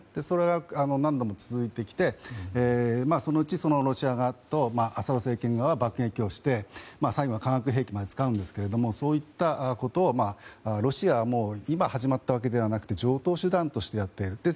それが何度も続いてきてそのうちロシア側とアサド政権側が爆撃をして、最後は化学兵器まで使うんですけれどもそういったことをロシアも今始まったわけではなくて常套手段としてやっている。